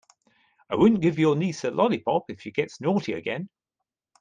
I won't give your niece a lollipop if she gets naughty again.